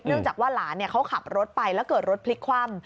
เนื่องจากว่าหลานเนี่ยเขาขับรถไปแล้วเกิดรถพลิกคว่ำ